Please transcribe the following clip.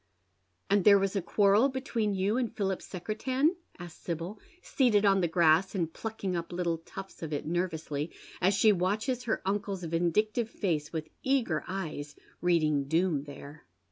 " And there was a quarrel between you and Philip Secretan ?" asks Sibyl, seated on the grass and plucking up little tufts of it nervously, as she watches her uncle's vindictive face with eager eyes, reading doom there.